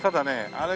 あれ